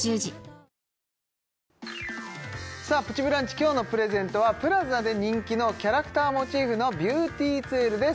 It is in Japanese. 今日のプレゼントはＰＬＡＺＡで人気のキャラクターモチーフのビューティーツールです